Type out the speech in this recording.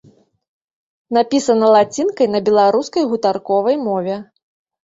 Напісана лацінкай на беларускай гутарковай мове.